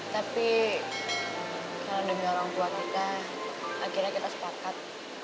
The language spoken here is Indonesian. tapi kalau demi orang tua kita akhirnya kita sepakat